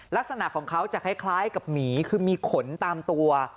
ลักษณะของเขาจะคล้ายกับหมีคือมีขนตามตัว